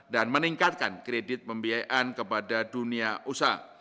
dan meningkatkan kredit pembiayaan kepada dunia usaha